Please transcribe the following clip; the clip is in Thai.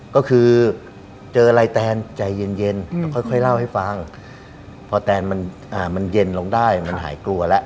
ก็คือเจออะไรแตนใจเย็นแล้วค่อยเล่าให้ฟังพอแตนมันเย็นลงได้มันหายกลัวแล้ว